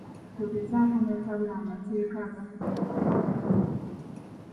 Togezaako n'otabula amateeka agafuga empandiika entongole.